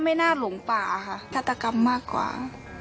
ไม่น่าหลงป่าค่ะฆาตกรรมมากกว่า